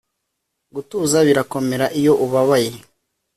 gutuza birakomera, iyo ubabaye